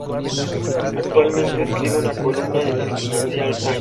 Actualmente escribe una columna en el "Financial Times".